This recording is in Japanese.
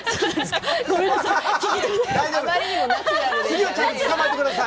次は、ちゃんとさばいてください。